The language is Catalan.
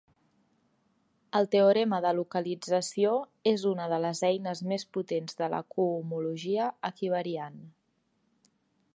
El teorema de localització és una de les eines més potents de la cohomologia equivariant.